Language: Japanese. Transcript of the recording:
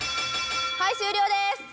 はい終了です。